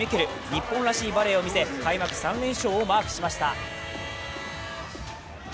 日本らしいバレーを見せ、開幕３連勝をマークしました。